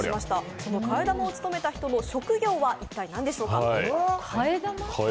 その替え玉を務めた人の職業は一体何でしょうか？